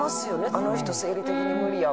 「あの人生理的に無理や」。